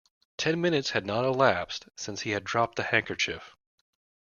Ten minutes had not elapsed since he had dropped the handkerchief.